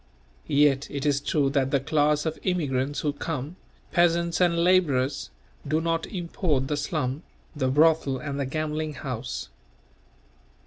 Yet it is true that the class of immigrants who come, peasants and labourers, do not import the slum, the brothel and the gambling house.